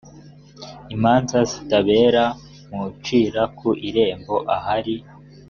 imanza zitabera mucira ku irembo ahari